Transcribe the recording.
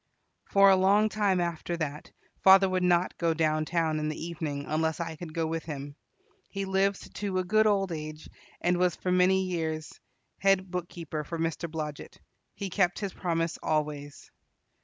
For a long time after that father would not go downtown in the evening unless I could go with him. He lived to a good old age, and was for many years head bookkeeper for Mr. Blodget. He kept his promise always.